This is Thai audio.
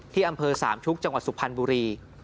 อำเภอสามชุกจังหวัดสุพรรณบุรี